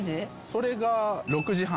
それが６時半。